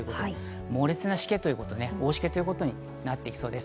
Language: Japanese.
猛烈なしけ、大しけということになっていきそうです。